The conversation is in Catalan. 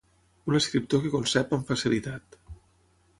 Un escriptor que concep amb facilitat.